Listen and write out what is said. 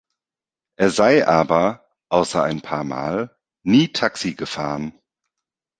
Er sei aber "außer ein paar mal" nie Taxi gefahren.